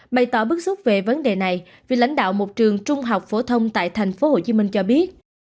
bày tỏ bức xúc về vấn đề này vì lãnh đạo một trường trung học phổ thông tại tp hcm cho biết